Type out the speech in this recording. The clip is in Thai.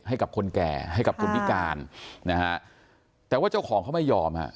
ให้กับคนแก่ให้กับคนพิการนะฮะแต่ว่าเจ้าของเขาไม่ยอมฮะ